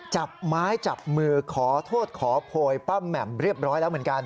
จับไม้จับมือขอโทษขอโพยป้าแหม่มเรียบร้อยแล้วเหมือนกัน